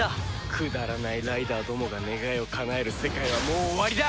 くだらないライダーどもが願いをかなえる世界はもう終わりだ！